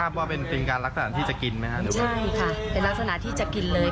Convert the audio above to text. ภาพว่าเป็นติดตามหลักฐานที่จะกินไหมใช่ค่ะเป็นลักษณะที่จะกินเลย